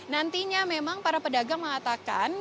nantinya memang para pedagang mengatakan